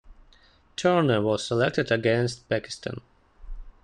Turner was selected against Pakistan.